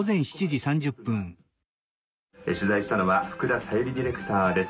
取材したのは福田紗友里ディレクターです。